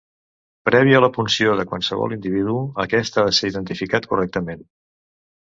Previ a la punció de qualsevol individu, aquest ha de ser identificat correctament.